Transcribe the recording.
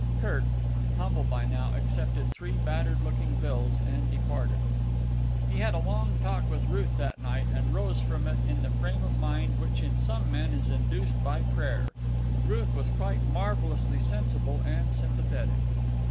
Kirk, humble by now, accepted three battered looking bills and departed. He had a long talk with Ruth that night, and rose from it in the frame of mind which in some men is induced by prayer. Ruth was quite marvellously sensible and sympathetic.